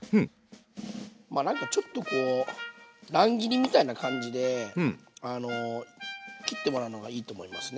まあなんかちょっとこう乱切りみたいな感じで切ってもらうのがいいと思いますね。